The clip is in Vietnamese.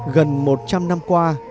gần một trăm linh năm qua